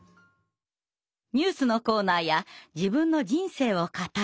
ニュースのコーナーや自分の人生を語る企画。